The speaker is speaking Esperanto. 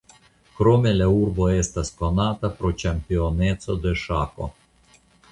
Krome la urbo estas konata pro ĉampioneco de ŝako.